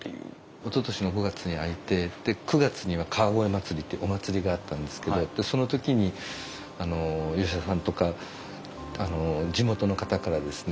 おととしの５月に開いて９月には川越まつりってお祭りがあったんですけどその時に吉田さんとか地元の方からですね